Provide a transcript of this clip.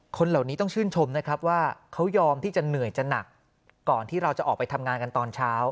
คนเหล่านี้ต้องชื่นชมนะครับว่าเขายอมที่จะเหนื่อยจะหนักก่อนที่เราจะออกไปทำงานกันตอนเช้า